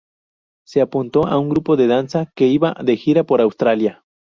Se apuntó a un grupo de danza que se iba de gira por Australia.